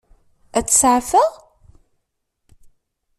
Ad t-seɛfeɣ?